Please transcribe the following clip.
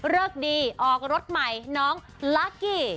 ดีออกรถใหม่น้องลากกี้